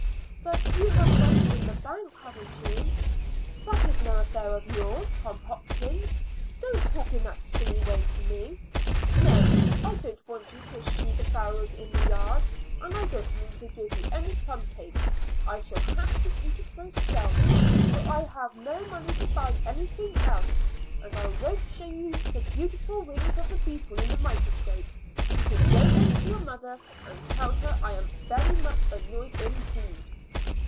"But you have money in the bank, haven't you?" "That is no affair of yours, Tom Hopkins. Don't talk in that silly way to me. No, I don't want you to shoo the fowls into the yard, and I don't mean to give you any plumcake. I shall have to eat it myself, for I have no money to buy anything else. And I won't show you the beautiful wings of the beetle in the microscope. You can go home to your mother and tell her I am very much annoyed indeed."